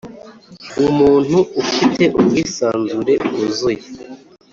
umuntu Ufite ubwisanzure bwuzuye